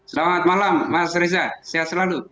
selamat malam mas reza sehat selalu